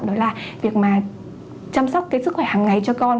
đó là việc mà chăm sóc cái sức khỏe hàng ngày cho con